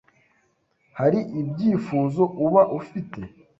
hari ibyifuzo uba ufite